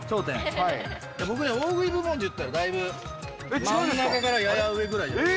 僕ね、大食い部門でいったらだいぶ、真ん中からやや上ぐらい。